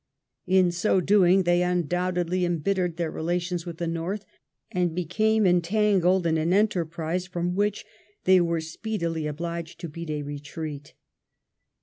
In so doing, they undoubtedly embittered thei^ relations with the North, and became entangled in an en terprise from which they were speedily obliged to beat a retreat.